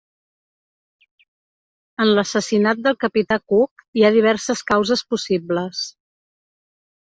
En l'assassinat del capità Cook hi ha diverses causes possibles.